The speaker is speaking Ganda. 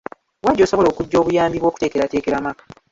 Wa gy’osobola okuggya obuyambi bw’okuteekerateekera amaka?